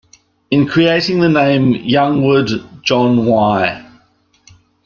In creating the name Youngwood, John Y.